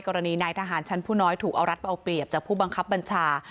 กรณีนายทหารชั้นผู้น้อยถูกเอารัดเอาเปรียบจากผู้บังคับบัญชา